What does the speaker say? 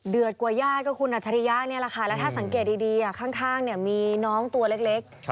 กว่าญาติก็คุณอัจฉริยะนี่แหละค่ะแล้วถ้าสังเกตดีข้างมีน้องตัวเล็ก